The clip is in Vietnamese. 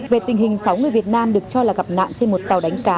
về tình hình sáu người việt nam được cho là gặp nạn trên một tàu đánh cá